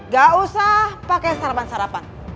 gak usah pakai sarapan sarapan